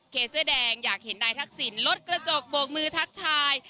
เสื้อแดงอยากเห็นนายทักษิณลดกระจกโบกมือทักทาย